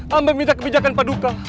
hamba minta kebijakan paduka